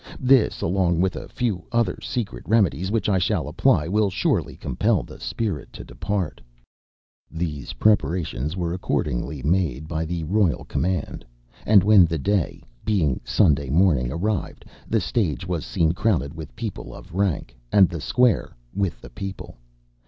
This, along with a few other secret remedies which I shall apply, will surely compel the spirit to depart. ŌĆØ These preparations were accordingly made by the royal command; and when the day, being Sunday morning, arrived, the stage was seen crowded with people of rank and the square with the people.